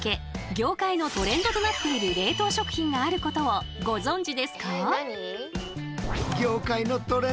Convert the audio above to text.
業界のトレンドとなっている冷凍食品があることをご存じですか？